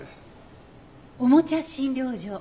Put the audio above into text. おもちゃ診療所？